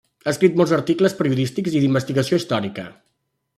Ha escrit molts articles periodístics i d'investigació històrica.